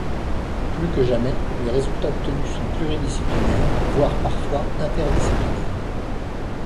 Plus que jamais, les résultats obtenus sont pluridisciplinaires, voire parfois interdisciplinaires.